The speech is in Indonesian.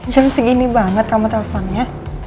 jam segini banget kamu telponnya